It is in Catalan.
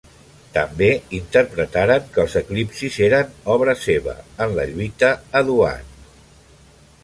També, interpretaren que els eclipsis eren obra seva, en la lluita a Duat.